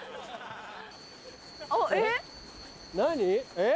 えっ？